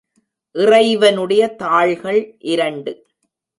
இறைவனுடைய தாள்கள் இரண்டு.